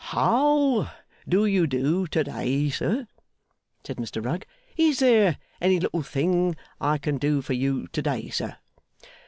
'How do you do to day, sir?' said Mr Rugg. 'Is there any little thing I can do for you to day, sir?